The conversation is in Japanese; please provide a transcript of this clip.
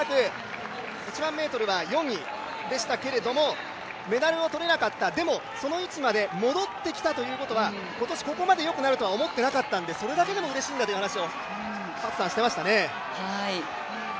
とにかく、１００００ｍは４位でしたけどメダルを取れなかった、でもその位置まで戻ってきたということは今年、ここまでよくなるとは思っていなかったのでそれだけでもうれしいんだとハッサンは話していましたね。